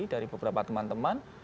dari beberapa teman teman